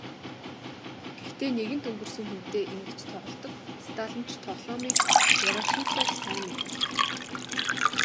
Гэхдээ нэгэнт өнгөрсөн хүнтэй ингэж тоглодог сталинч тоглоомыг Ворошилов сайн мэднэ.